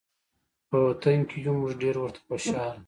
په وطن کې یو موږ ډېر ورته خوشحاله